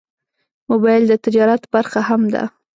موبایل د تجارت برخه هم ده.